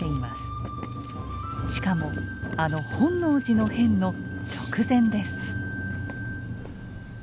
しかもあの本能寺の変の直前です。